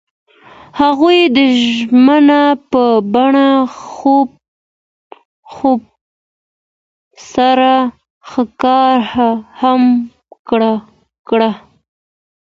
هغوی د ژمنې په بڼه خوب سره ښکاره هم کړه.